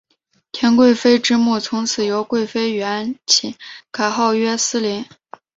田贵妃之墓从此由贵妃园寝改号曰思陵。